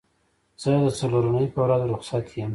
زه د څلورنۍ په ورځ روخصت یم